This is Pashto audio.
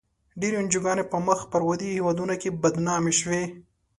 ډېری انجوګانې په مخ پر ودې هېوادونو کې بدنامې شوې.